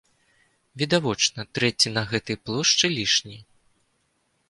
Відавочна, трэці на гэтай плошчы лішні.